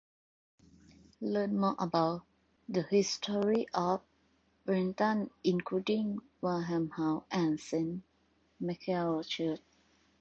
Learn more about the history of Breinton, including Warham House and Saint Michael's Church.